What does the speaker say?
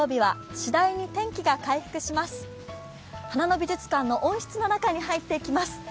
花の美術館の温室の中に入っていきます。